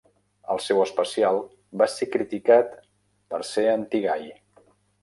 El seu especial va ser criticat per ser antigai.